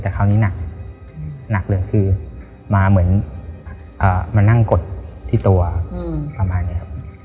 แต่คราวนี้หนักหนักเลยคือมาเหมือนมานั่งกดที่ตัวประมาณนี้ครับ